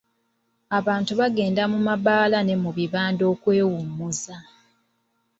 Abantu bagenda mu mabaala ne mu bibanda okwewummuza.